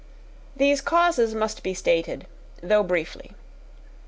These causes must be stated, though briefly.